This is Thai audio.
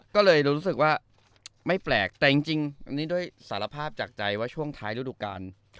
ก็เลยรู้สึกว่าไม่แปลกแต่จริงอันนี้ด้วยสารภาพจากใจว่าช่วงท้ายฤดูกาล